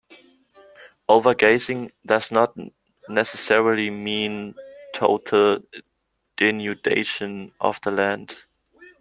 Overgrazing does not necessarily mean total denudation of the land.